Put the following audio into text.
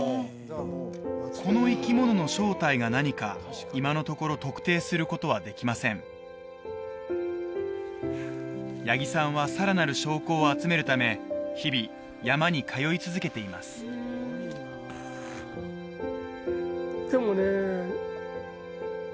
この生き物の正体が何か今のところ特定することはできません八木さんはさらなる証拠を集めるため日々山に通い続けていますでもね